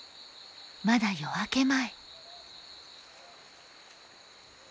まだ夜明け前。